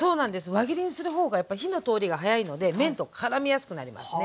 輪切りにする方がやっぱり火の通りが早いので麺とからみやすくなりますね。